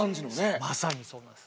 まさにそうなんです。